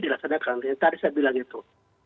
dilaksanakan yang tadi saya bilang itu